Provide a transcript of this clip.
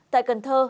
tại cần thơ